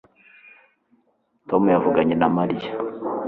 tom yavuganye na mariya